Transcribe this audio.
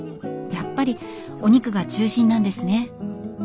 やっぱりお肉が中心なんですね。